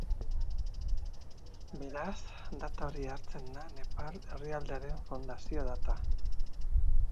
Beraz, data hori hartzen da Nepal herrialdearen fundazio data.